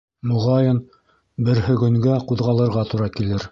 Моғайын, берһегөнгә ҡуҙғалырға тура килер.